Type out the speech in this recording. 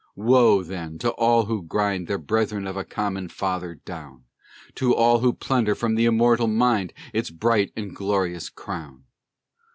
Woe, then, to all who grind Their brethren of a common Father down! To all who plunder from the immortal mind Its bright and glorious crown!